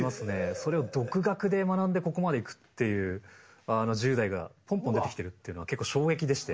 それを独学で学んでここまでいくっていう１０代がポンポン出てきてるっていうのは結構衝撃でして。